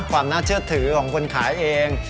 ความน่าเชื่อถือของคนขายเอง